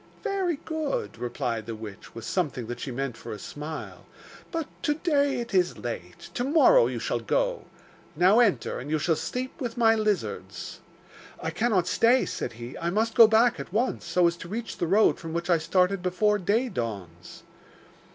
'Very good,' replied the witch, with something that she meant for a smile, 'but to day it is late. To morrow you shall go. Now enter, and you shall sleep with my lizards.' 'I cannot stay,' said he. 'I must go back at once, so as to reach the road from which I started before day dawns.